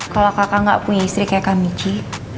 kalau kakak gak punya istri kayak kak michi